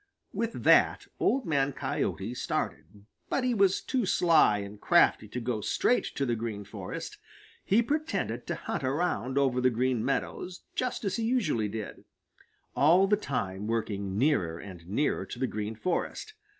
With that, off Old Man Coyote started. But he was too sly and crafty to go straight to the Green Forest. He pretended to hunt around over the Green Meadows just as he usually did, all the time working nearer and nearer to the Green Forest.